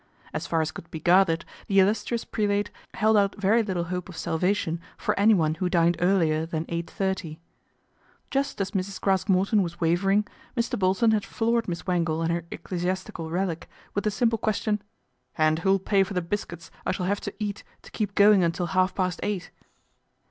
As far as could be gathered, the illustrious prelate held out very little hope of salvation for anyone who dined earlier than eight thirty. Just as Mrs. Craske Morton was wavering, Mr. Bolton had floored Miss Wangle and her ecclesias tical relic with the simple question, " And who'll pay for the biscuits I shall have to eat to keep going until half past eight